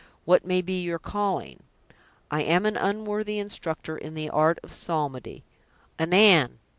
What may be your calling?" "I am an unworthy instructor in the art of psalmody." "Anan!"